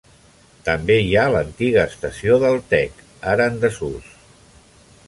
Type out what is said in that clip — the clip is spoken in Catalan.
També hi ha l'antiga estació del Tec, ara en desús.